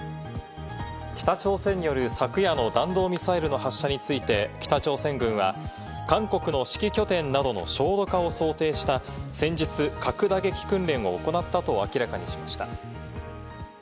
北朝鮮による昨夜の弾道ミサイルの発射について、北朝鮮軍は韓国の指揮拠点などの焦土化を想定した戦術核打撃訓練を行ったと明らかにしました。